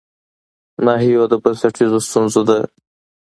ناحيو د بنسټيزو ستونزو د